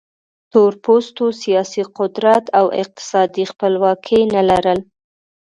تور پوستو سیاسي قدرت او اقتصادي خپلواکي نه لرل.